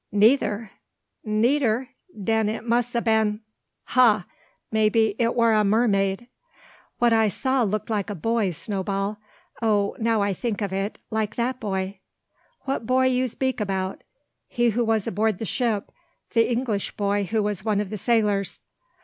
"Neither." "Neider! Den it muss ha' been, ha! maybe it war a mermaid!" "What I saw looked like a boy, Snowball. O, now I think of it, like that boy." "What boy you 'peak 'bout?" "He who was aboard the ship, the English boy who was one of the sailors."